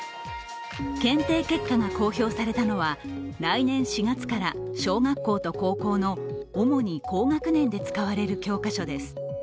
検定結果が公表されたのは来年４月から小学校と高校の主に高学年で使われる教科書です。